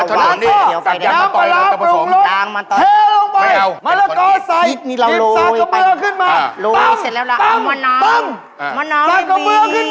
ซักยำมะตอลเนี่ยจะผสมงานนะครับท่าลงไปมะละก่อใส่